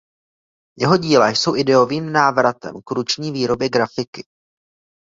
Jeho díla jsou ideovým návratem k ruční výrobě grafiky.